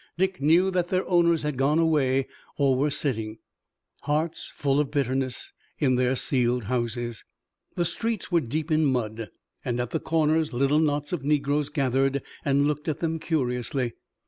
Dick knew that their owners had gone away or were sitting, hearts full of bitterness, in their sealed houses. The streets were deep in mud, and at the corners little knots of negroes gathered and looked at them curiously.